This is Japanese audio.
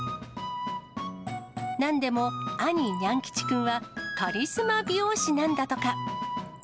なんでも兄、にゃん吉くんはカリスマ美容師なんだとか。